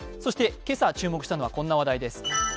今朝注目したのは、こんな話題です